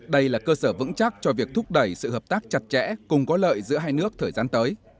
đây là cơ sở vững chắc cho việc thúc đẩy sự hợp tác chặt chẽ cùng có lợi giữa hai nước thời gian tới